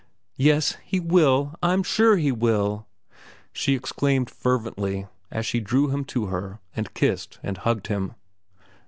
"Yes, he will—I'm sure he will!" she exclaimed fervently, as she drew him to her and kissed and hugged him.